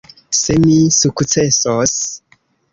Se mi sukcesos.